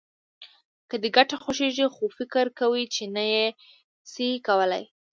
که دې ګټه خوښېږي خو فکر کوې چې نه يې شې کولای.